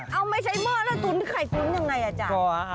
เอาไม่ใช่หม้อแล้วตุ๋นไข่ตุ๋นยังไงจ๊ะ